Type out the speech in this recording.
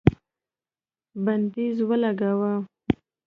بندیز ولګاوه